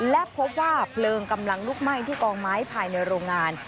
และพบว่าเพลิงกำลังลุกไหม้ที่กองไม้ภายในโรงงาน